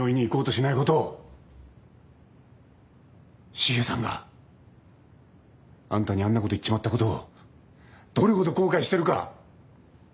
シゲさんがあんたにあんなこと言っちまったことをどれほど後悔してるか！